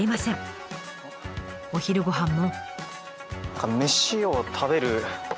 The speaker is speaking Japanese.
お昼ごはんも。